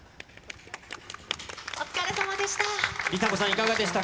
お疲れさまでした。